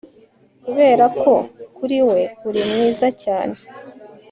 kuberako kuri we, uri mwiza cyane